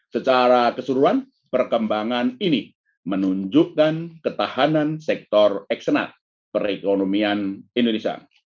secara keseluruhan perkembangan ini menunjukkan ketahanan sektor eksternal perekonomian indonesia